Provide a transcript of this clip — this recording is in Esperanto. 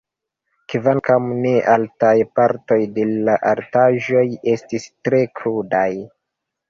Kvankam ne altaj, partoj de la altaĵoj estis tre krudaj.